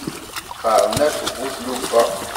Qqaṛen-ak bu tlufa.